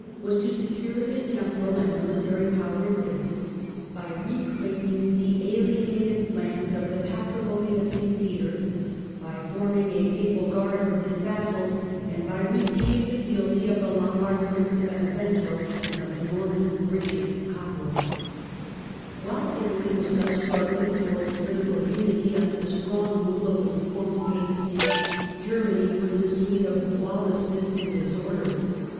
was to secure his temporal and military power in Italy by reclaiming the alienated lands of the Patrimony of St Peter, by forming a papal guard from his vassals, and by receiving the fealty of the Lombard Prince of Benevento and of the Norman Kichard of Capua. Affairs of While Italy was thus struggling towards political unity under the strong rule of the reformed Papacy, Germany was a scene of lawlessness and disorder.